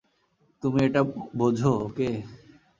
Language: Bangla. তুমি এটা বোঝো, ওকে?